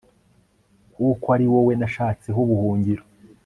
kuko ari wowe nashatseho ubuhungiro